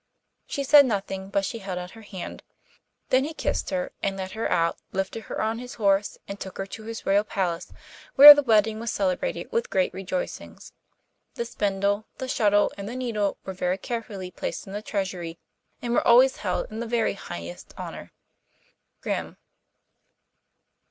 She said nothing, but she held out her hand. Then he kissed her, and led her out, lifted her on his horse and took her to his royal palace, where the wedding was celebrated with great rejoicings. The spindle, the shuttle, and the needle were carefully placed in the treasury, and were always held in the very highest honour. Grimm.